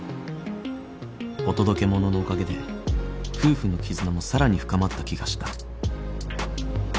［オトドケモノのおかげで夫婦の絆もさらに深まった気がした］